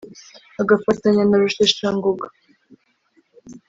agafatanya na Rusheshangoga